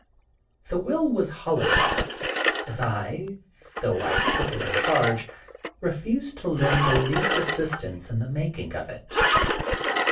The will was holograph, as I, though I took it in charge, refused to lend the least assistance in the making of it.